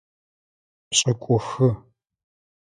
Пшӏыкӏухы.